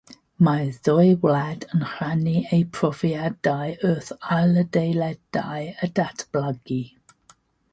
Mae'r ddwy wlad yn rhannu eu profiadau wrth ailadeiladu a datblygu.